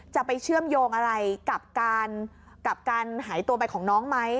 จะไปเชื่อมโยงอะไรกับการหายตัวไปของน้องไหม